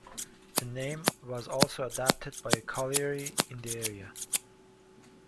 The name was also adopted by a colliery in the area.